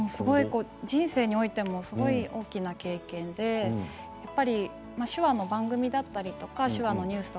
人生においてもすごい大きな経験で手話の番組だったりとか手話のニュース